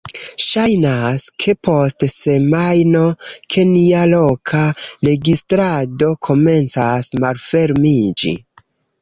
ŝajnas, ke post semajno, ke nia loka registrado komencas malfermiĝi